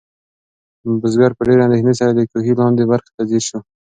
بزګر په ډېرې اندېښنې سره د کوهي لاندې برخې ته ځیر شو.